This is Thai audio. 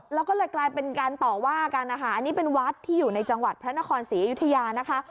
แล้วก็เลยกลายเป็นการต่อว่ากันนะคะอันนี้เป็นวัดที่อยู่ในจังหวัดพระนครศรีอยุธยานะคะ